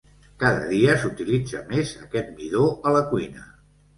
Cada dia s'utilitza més aquest midó a la cuina.